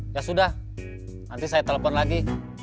ya sudah nanti saya telepon lagi